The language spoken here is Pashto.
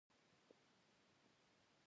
يوه کونډه وه، د کونډې دوه زامن وو.